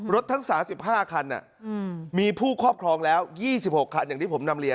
ทั้ง๓๕คันมีผู้ครอบครองแล้ว๒๖คันอย่างที่ผมนำเรียน